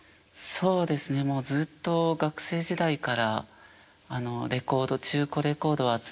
そうですねもうずっと学生時代からレコード中古レコードを集めて。